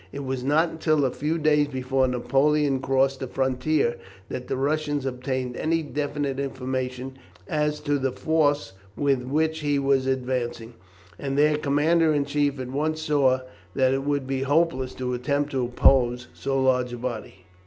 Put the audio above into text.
It was not until a few days before Napoleon crossed the frontier that the Russians obtained any definite information as to the force with which he was advancing, and their commander in chief at once saw that it would be hopeless to attempt to oppose so large a body.